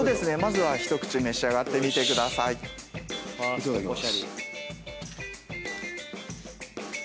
いただきます。